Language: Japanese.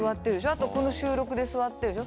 あとこの収録で座ってるでしょ。